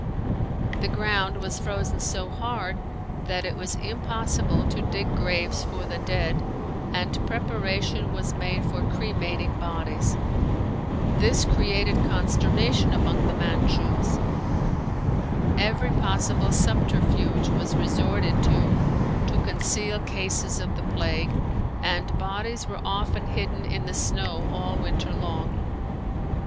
The ground was frozen so hard that it was impossible to dig graves for the dead and preparation was made for cremating bodies. This created consternation among the Manchus. Every possible subterfuge was resorted to to conceal cases of the plague and bodies were often hidden in the snow all winter long.